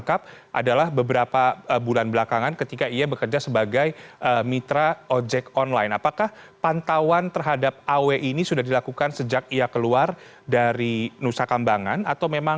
kami akan mencari penangkapan teroris di wilayah hukum sleman